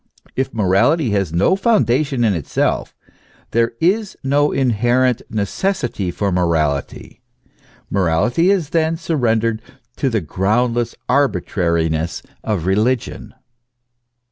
If morality has no foundation in itself, there is no inherent necessity for morality; morality is then surrendered to the groundless arbitrariness of religion.